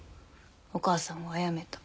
お母さんをあやめた。